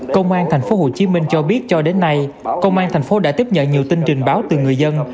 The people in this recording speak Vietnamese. công an tp hcm cho biết cho đến nay công an thành phố đã tiếp nhận nhiều tin trình báo từ người dân